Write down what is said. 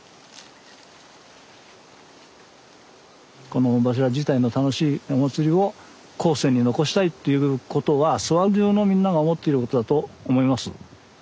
この御柱自体の楽しいお祭りを後世に残したいっていうことは諏訪じゅうのみんなが思っていることだと思います。